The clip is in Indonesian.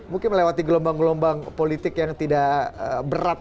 mungkin melewati gelombang gelombang politik yang tidak berat